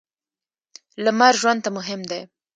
لمر ژوند ته مهم دی.